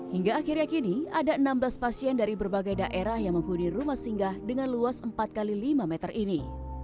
hingga akhirnya kini ada enam belas pasien dari berbagai daerah yang menghuni rumah singgah dengan luas empat x lima meter ini